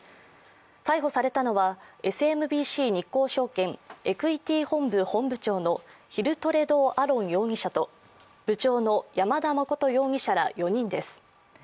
逮捕されたのは、ＳＭＢＣ日興証券エクイティ本部本部長のヒル・トレボー・アロン容疑者と、部長の山田誠容疑者ら４人です。